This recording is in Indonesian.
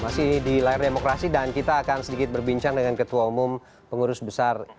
masih di layar demokrasi dan kita akan sedikit berbincang dengan ketua umum pengurus besar